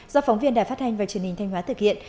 do phóng viên đài phát thanh và truyền hình thanh hóa thực hiện